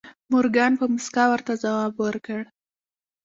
مورګان په موسکا ورته ځواب ورکړ